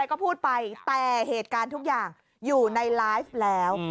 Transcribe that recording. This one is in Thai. ก็พูดไปแต่เหตุการณ์ทุกอย่างอยู่ในไลฟ์แล้ว